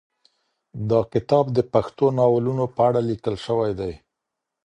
دا کتاب د پښتو ناولونو په اړه لیکل شوی دی.